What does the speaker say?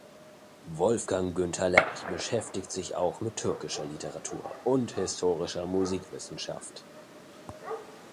Wolfgang Günter Lerch beschäftigt sich auch mit türkischer Literatur und historischer Musikwissenschaft.